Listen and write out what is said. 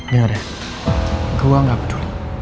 dengar deh gue gak peduli